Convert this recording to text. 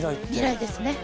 未来ですね。